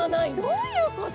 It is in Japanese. どういうこと？